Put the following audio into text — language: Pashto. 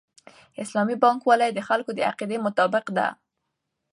اسلامي بانکوالي د خلکو د عقیدې مطابق ده.